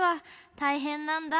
たいへんなんだ。